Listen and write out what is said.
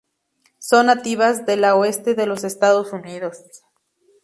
Son nativas de la oeste de los Estados Unidos.